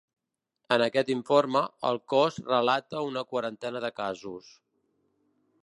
En aquest informe, el cos relata una quarantena de casos.